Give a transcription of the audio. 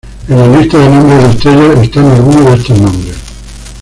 En la lista de nombres de estrellas están algunos de estos nombres.